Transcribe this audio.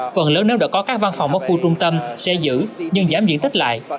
phần lớn nếu đã có các văn phòng ở khu trung tâm sẽ giữ nhưng giảm diện tích lại